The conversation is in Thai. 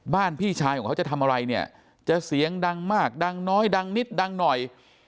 พี่ชายของเขาจะทำอะไรเนี่ยจะเสียงดังมากดังน้อยดังนิดดังหน่อย